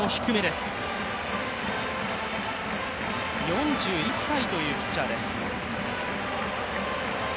４１歳というピッチャーです。